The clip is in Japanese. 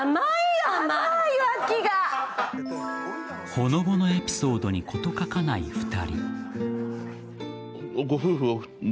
ほのぼのエピソードに事欠かない２人。